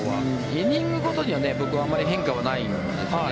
イニングごとには僕はあまり変化はないんですよね。